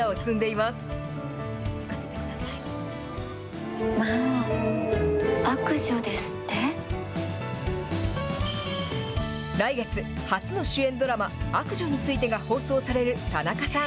まあ、来月、初の主演ドラマ、悪女についてが放送される田中さん。